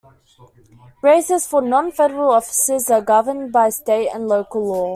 Races for non-federal offices are governed by state and local law.